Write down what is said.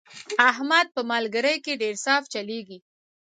احمد په ملګرۍ کې ډېر صاف چلېږي.